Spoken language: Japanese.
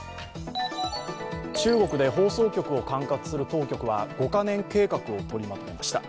中国で放送局を管轄する当局は５カ年計画を取りまとめました。